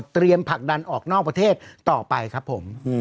ผลักดันออกนอกประเทศต่อไปครับผม